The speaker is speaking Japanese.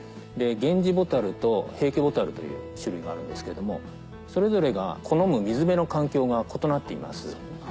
ゲンジボタルとヘイケボタルという種類があるですけれどもそれぞれが好む水辺の環境が異なっています。